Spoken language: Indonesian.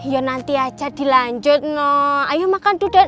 ya nanti aja dilanjut noh ayo makan tuh dad